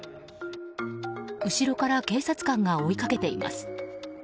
後ろから警察官が追いかけています。